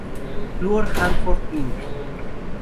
Fluor Hanford Inc.